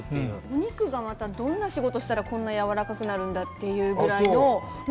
お肉がどんな仕事したら、こんなやわらかくなるんだってぐらい。